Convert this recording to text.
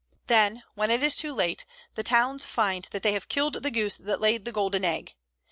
Then, when it is too late, the towns find that they have "killed the goose that laid the golden egg."